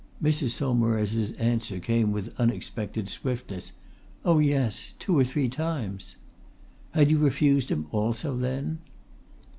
Mrs. Saumarez's answer came with unexpected swiftness. "Oh, yes! two or three times!" "Had you refused him also, then?"